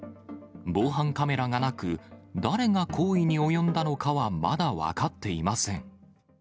防犯カメラがなく、誰が行為に及んだのかはまだ分かっていません。